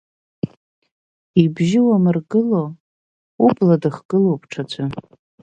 Ибжьы уамыргыло, убла дыхгылоуп ҽаӡәы.